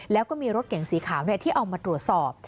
แล้วก็มีรถเก่งสีขาวที่เอามาตรวจสอบ